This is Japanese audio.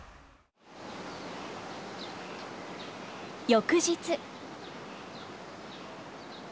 翌日。